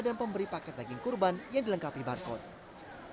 dan pemberi paket daging kurban yang dilengkapi barcode